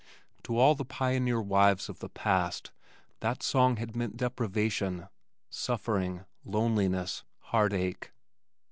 To all of the pioneer wives of the past that song had meant deprivation, suffering, loneliness, heart ache.